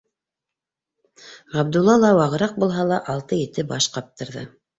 Ғабдулла ла, вағыраҡ булһа ла, алты-ете баш ҡаптырҙы.